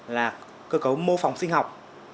là cơ cấu mô phòng sinh học